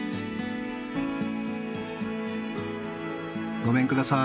ごめんください。